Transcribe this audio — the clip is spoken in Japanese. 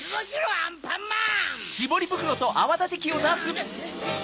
アンパンマン。